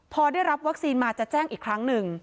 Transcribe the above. พอได้รับวัคซีนมาจะแจ้งอีกครั้งหนึ่ง